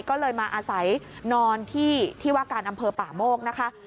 ก็เลยมาอาศัยนอนที่ที่ว่าการอำเภอป่าโมกนะคะ